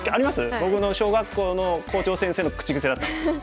僕の小学校の校長先生の口癖だったんです。